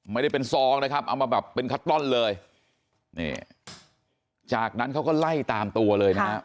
ไม่ได้เป็นซองนะครับเอามาแบบเป็นคัตตรอนเลยนี่จากนั้นเขาก็ไล่ตามตัวเลยนะฮะ